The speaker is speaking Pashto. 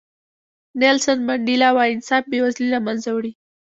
نیلسن منډیلا وایي انصاف بې وزلي له منځه وړي.